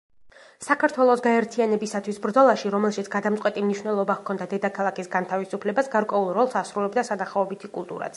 საქართველოს გაერთიანებისათვის ბრძოლაში, რომელშიც გადამწყვეტი მნიშვნელობა ჰქონდა დედაქალაქის განთავისუფლებას, გარკვეულ როლს ასრულებდა სანახაობითი კულტურაც.